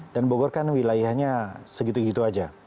dan bogor kan wilayahnya segitu gitu aja